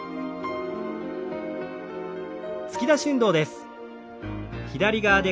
突き出し運動です。